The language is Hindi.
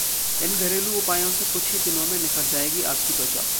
इन घरेलू उपायों से कुछ ही दिनों में निखर जाएगी आपकी त्वचा